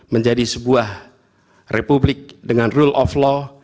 menjadi sebuah republik dengan rule of law